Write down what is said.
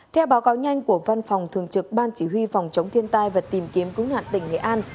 theo báo cáo nhanh của văn phòng thường trực ban chỉ huy phòng chống thiên tai và tìm kiếm cứu nạn tỉnh nghệ an